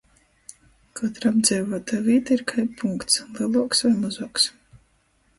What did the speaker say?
Kotra apdzeivuota vīta ir kai punkts — leluoks voi mozuoks.